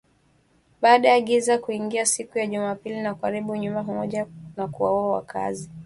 baada ya giza kuingia siku ya Jumapili na kuharibu nyumba pamoja na kuwaua wakaazi